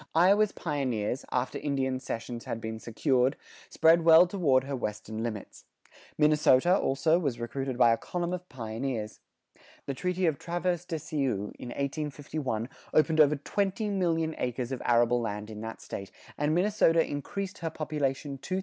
Iowa's pioneers, after Indian cessions had been secured, spread well toward her western limits. Minnesota, also, was recruited by a column of pioneers. The treaty of Traverse de Sioux, in 1851, opened over twenty million acres of arable land in that State, and Minnesota increased her population 2730.